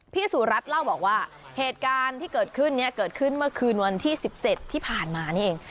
ที่สู่รัฐเล่าบอกว่าเหตุการณ์ที่เกิดขึ้นเมื่อคืนวันที่๑๗ที่ผ่านมาเนี่ยเอง